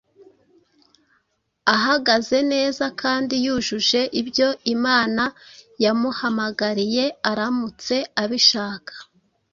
ahagaze neza kandi yujuje ibyo Imana ya muhamagariye aramutse abishaka.